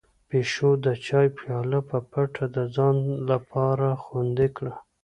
پيشو د چای پياله په پټه د ځان لپاره خوندي کړه.